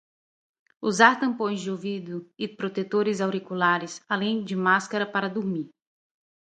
Usar tampões de ouvido e protetores auriculares, além de máscara para dormir